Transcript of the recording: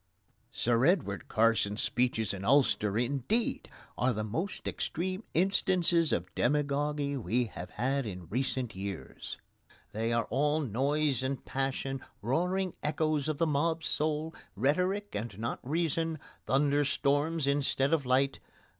Sir Edward Carson's speeches in Ulster, indeed, are the most extreme instances of demagogy we have had in recent years. They are all noise and passion, roaring echoes of the mob soul, rhetoric and not reason, thunder storms instead of light.